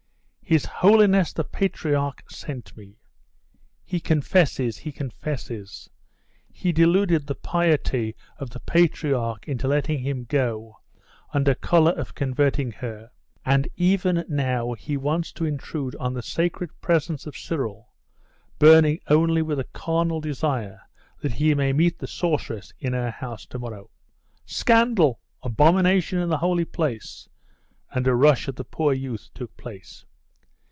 'His holiness the patriarch sent me.' 'He confesses, he confesses! He deluded the piety of the patriarch into letting him go, under colour of converting her; and even now he wants to intrude on the sacred presence of Cyril, burning only with the carnal desire that he may meet the sorceress in her house to morrow!' 'Scandal!' 'Abomination in the holy place!' and a rush at the poor youth took place.